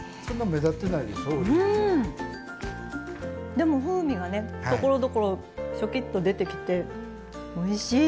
でも風味がねところどころショキッと出てきておいしいですね。